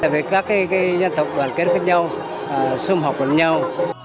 với các dân tộc đoàn kết với nhau xung học với nhau